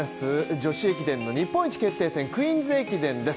女子駅伝の日本一決定戦クイーンズ駅伝です